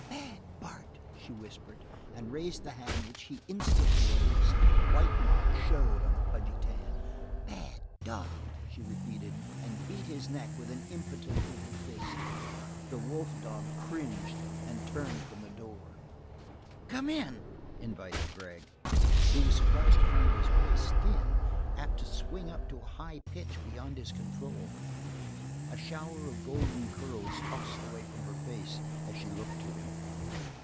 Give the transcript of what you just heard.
"Bad Bart!" she whispered, and raised the hand which he instantly released. White marks showed on the pudgy tan. "Bad dog!" she repeated, and beat his neck with an impotent little fist. The wolf dog cringed, and turned from the door. "Come in," invited Gregg. He was surprised to find his voice thin, apt to swing up to a high pitch beyond his control. A shower of golden curls tossed away from her face as she looked to him.